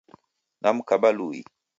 Namkaba luwi